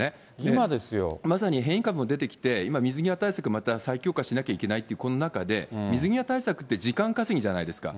まさに変異株も出てきて、水際対策再強化しなきゃいけないというこの中で水際対策って時間稼ぎじゃないですか。